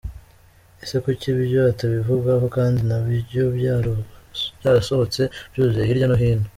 Ese kuki byo atabivugaho kandi nabyo byarasohotse byuzuye hirya no hino?